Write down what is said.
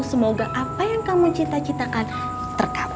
semoga apa yang kamu cita citakan terkapai